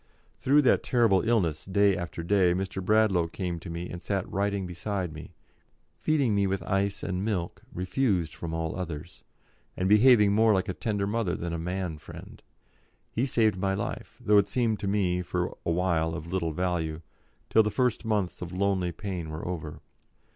Through that terrible illness, day after day, Mr. Bradlaugh came to me, and sat writing beside me, feeding me with ice and milk, refused from all others, and behaving more like a tender mother than a man friend; he saved my life, though it seemed to me for awhile of little value, till the first months of lonely pain were over.